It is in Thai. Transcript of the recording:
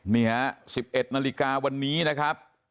นี่ฮะ๑๑นาฬิกาวันนี้นะครับ